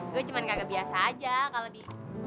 gue cuman kagak biasa aja kalo di